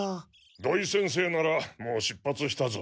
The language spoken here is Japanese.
土井先生ならもう出発したぞ。